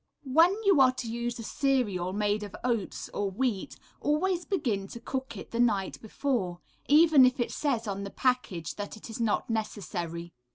When you are to use a cereal made of oats or wheat, always begin to cook it the night before, even if it says on the package that it is not necessary.